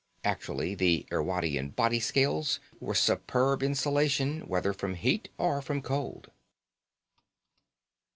Actually, the Irwadian body scales were superb insulation, whether from heat or from cold.